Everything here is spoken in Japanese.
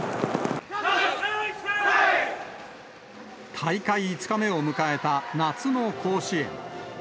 大会５日目を迎えた夏の甲子園。